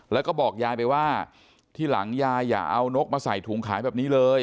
แล้วก็บอกยายไปว่าที่หลังยายอย่าเอานกมาใส่ถุงขายแบบนี้เลย